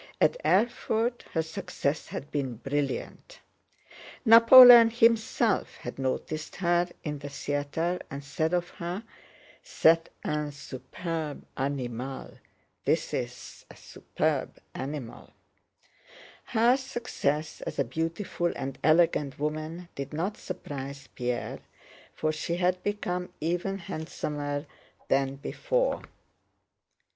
At Erfurt her success had been brilliant. Napoleon himself had noticed her in the theater and said of her: "C'est un superbe animal." * Her success as a beautiful and elegant woman did not surprise Pierre, for she had become even handsomer than before.